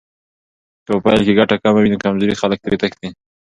که په پیل کې ګټه کمه وي، نو کمزوري خلک ترې تښتي.